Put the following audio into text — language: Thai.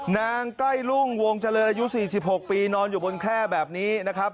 ใกล้รุ่งวงเจริญอายุ๔๖ปีนอนอยู่บนแคล่แบบนี้นะครับ